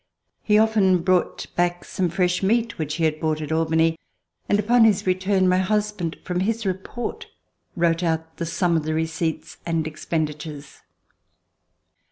He often brought back some fresh meat which he had bought at Albany, and, upon his return, my husband, from his report, wrote out the sum of the receipts and expenditures.